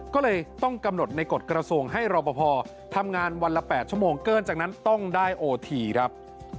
ก็เลยต้องกำหนดในกฎกระทรวงให้รอปภทำงานวันละ๘ชั่วโมงเกินจากนั้นต้องได้โอทีครับ